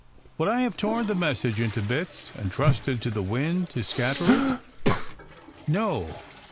Would I have torn the message into bits and trusted to the wind to scatter it? ... No!